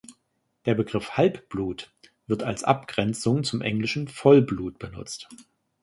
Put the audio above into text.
Der Begriff Halbblut wird als Abgrenzung zum englischen Vollblut benutzt.